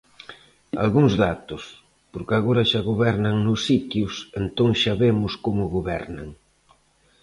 Algúns datos, porque agora xa gobernan nos sitios, entón xa vemos como gobernan.